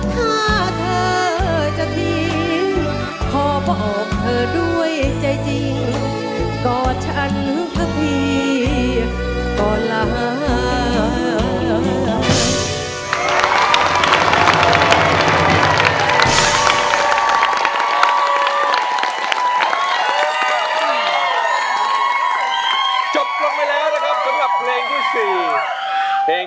ถ้าเธอจะทิ้ง